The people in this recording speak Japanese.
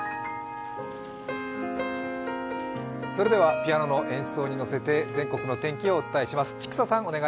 ピアノの演奏にのせて全国の天気をお伝えします。